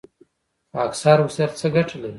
خاکسار اوسیدل څه ګټه لري؟